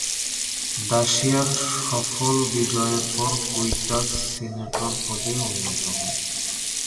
দাসিয়ার সফল বিজয়ের পর, কুইটাস সিনেটর পদে উন্নীত হন।